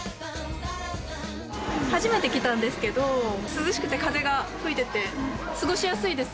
初めて来たんですけど、涼しくて風が吹いてて、過ごしやすいです。